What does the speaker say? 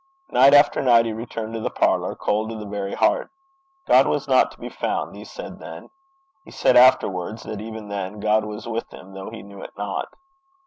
Night after night he returned to the parlour cold to the very heart. God was not to be found, he said then. He said afterwards that even then 'God was with him though he knew it not.'